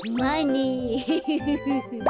フフフフフ。